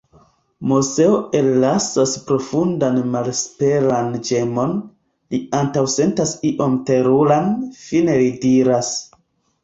Moseo ellasas profundan malesperan ĝemon; li antaŭsentas ion teruran, fine li diras: